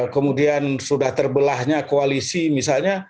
kemudian sudah terbelahnya koalisi misalnya